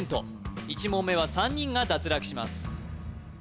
１問目は３人が脱落します